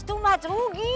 terlalu banyak rugi